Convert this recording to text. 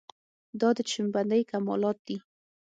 دا د چشم بندۍ کمالات دي.